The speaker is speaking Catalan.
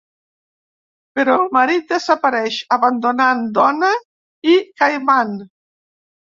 Però el marit desapareix, abandonant dona i caiman.